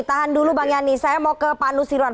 tahan dulu bang yani saya mau ke pak nusirwan